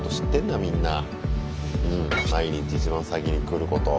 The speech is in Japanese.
うん毎日一番先に来ることを。